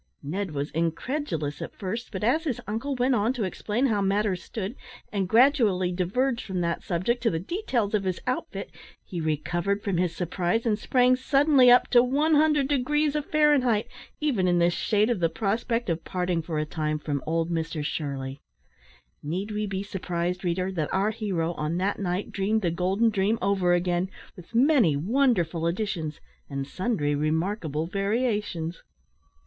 Ned was incredulous at first, but as his uncle went on to explain how matters stood, and gradually diverged from that subject to the details of his outfit, he recovered from his surprise, and sprang suddenly up to 100 degrees of Fahrenheit, even in the shade of the prospect of parting for a time from old Mr Shirley. Need we be surprised, reader, that our hero on that night dreamed the golden dream over again, with many wonderful additions, and sundry remarkable variations.